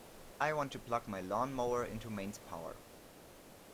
I want to plug my lawnmower into mains power